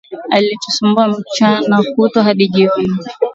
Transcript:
Alitusumbua mchana kutwa hadi jioni